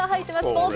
どうぞ。